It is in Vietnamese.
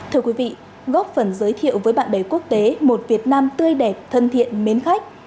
thưa quý vị góp phần giới thiệu với bạn bè quốc tế một việt nam tươi đẹp thân thiện mến khách